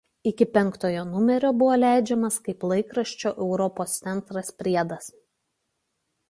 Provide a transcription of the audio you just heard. Iki penktojo numerio buvo leidžiamas kaip laikraščio „Europos centras“ priedas.